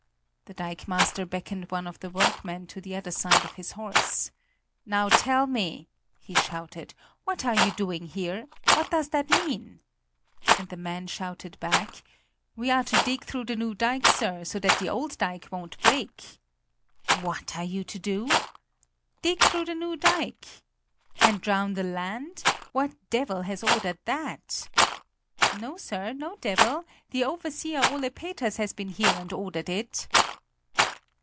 The dikemaster beckoned one of the workmen to the other side of his horse. "Now, tell me," he shouted, "what are you doing here? What does that mean?" And the man shouted back: "We are to dig through the new dike, sir, so that the old dike won't break." "What are you to do?" "Dig through the new dike." "And drown the land? What devil has ordered that?" "No, sir, no devil, the overseer Ole Peters has been here and ordered it."